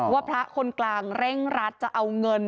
ว่าพระคนกลางเร่งรัดจะเอาเงิน